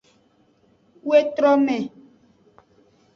Wetrome.